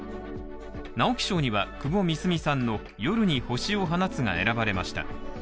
直木賞には、窪美澄さんの「夜に星を放つ」が選ばれました。